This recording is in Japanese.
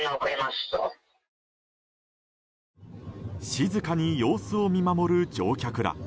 静かに様子を見守る乗客ら。